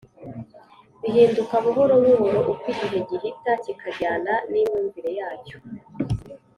bihinduka buhorobuhoro uko igihe gihita kikajyana n’imyumvire yacyo